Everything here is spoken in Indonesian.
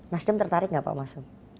nasdem tertarik nggak pak mas